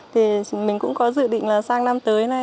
thì mình cũng có dự định là sang năm tới nay